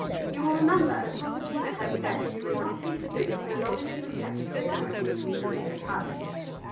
You will remember that Proserpina had said she would not taste food so long as she was kept a prisoner in King Pluto's palace.